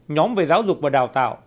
năm nhóm về giáo dục và đào tạo